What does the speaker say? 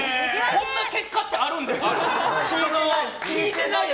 こんな結果ってあるんですか？